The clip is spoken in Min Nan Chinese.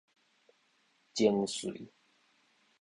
精粹